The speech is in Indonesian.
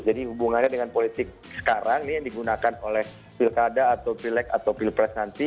jadi hubungannya dengan politik sekarang ini yang digunakan oleh pilkada atau pilek atau pilpres nanti